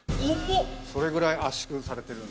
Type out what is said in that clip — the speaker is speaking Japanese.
それぐらい圧縮されてる。